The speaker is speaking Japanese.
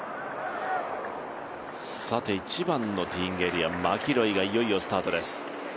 １番のティーイングエリア、マキロイがいよいよスタートになります。